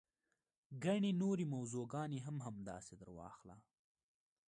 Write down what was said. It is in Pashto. ګڼې نورې موضوع ګانې هم همداسې درواخله.